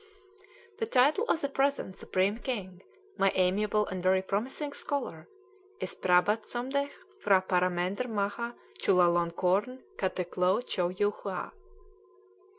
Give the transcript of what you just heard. The title of the present supreme king (my amiable and very promising scholar) is Prabat Somdetch P'hra Paramendr Maha Chulalonkorn Kate Klou Chow yu Hua.